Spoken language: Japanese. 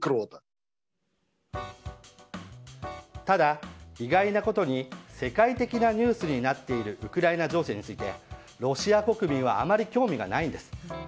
ただ意外なことに世界的なニュースになっているウクライナ情勢についてロシア国民はあまり興味がないんです。